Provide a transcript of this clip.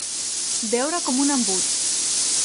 Beure com un embut.